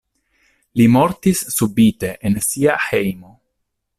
Li mortis subite en sia hejmo.